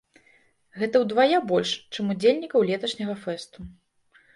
Гэта ўдвая больш, чым удзельнікаў леташняга фэсту.